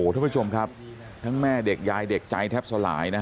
ทุกผู้ชมครับทั้งแม่เด็กยายเด็กใจแทบสลายนะฮะ